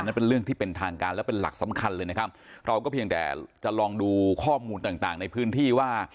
นั่นเป็นเรื่องที่เป็นทางการและเป็นหลักสำคัญเลยนะครับเราก็เพียงแต่จะลองดูข้อมูลต่างต่างในพื้นที่ว่า